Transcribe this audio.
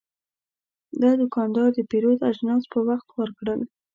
دا دوکاندار د پیرود اجناس په وخت ورکړل.